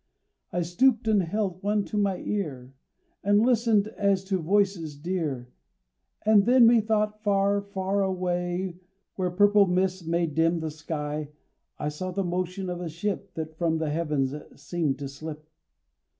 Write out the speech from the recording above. I stooped and held one to my ear, And listened as to voices dear; And then methought far, far away, Where purple mists made dim the day, I saw the motion of a ship That from the heavens seemed to slip.